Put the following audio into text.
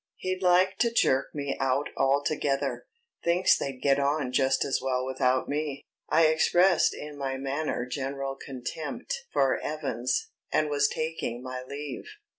He'd like to jerk me out altogether; thinks they'd get on just as well without me." I expressed in my manner general contempt for Evans, and was taking my leave.